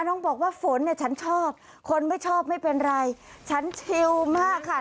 น้องบอกว่าฝนเนี่ยฉันชอบคนไม่ชอบไม่เป็นไรฉันชิวมากค่ะ